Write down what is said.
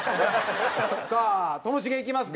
さあともしげいきますか？